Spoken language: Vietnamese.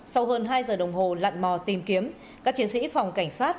sau hơn hai giờ đồng hồ lặn mò tìm kiếm các chiến sĩ phòng cảnh sát